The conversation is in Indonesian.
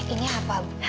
ini apa bu